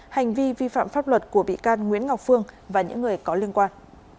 hành vi vi phạm pháp luật của bị can nguyễn ngọc phương và những người có liên quan